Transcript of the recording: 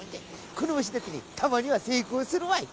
このわしだってねたまにはせいこうするわい。